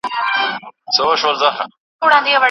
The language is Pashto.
زه به اوږده موده د درسونو يادونه کړې وم.